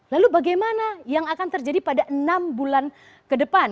lalu bagaimana yang akan terjadi pada enam bulan ke depan